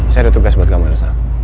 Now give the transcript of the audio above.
saya ada tugas buat kamu elsa